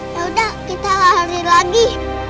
yaudah kita lari lagi